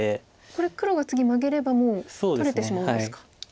これ黒が次マゲればもう取れてしまうんですか。